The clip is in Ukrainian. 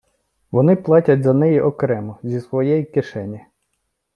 Вони і платять за неї окремо, зі своєї кишені.